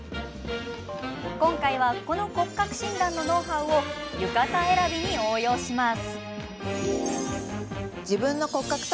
今回はこの骨格診断のノウハウを浴衣選びに応用します。